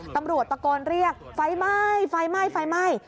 ตำรวจตะโกนเรียกไฟไหม้ไฟไหม้ไฟไหม้